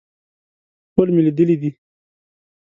ټول مې لیدلي دي.